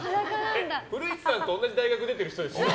古市さんと同じ大学出てる人ですよね？